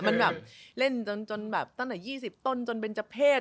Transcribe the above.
มันแบบเล่นจนแบบตั้งแต่๒๐ต้นจนเป็นเจ้าเพศ